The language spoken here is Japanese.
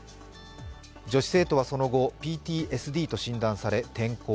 女子生徒はその後ＰＴＳＤと診断され転校。